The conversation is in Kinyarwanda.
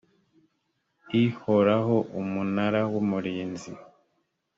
ihoraho umunara w umurinzi